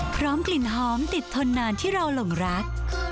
กลิ่นหอมติดทนนานที่เราหลงรัก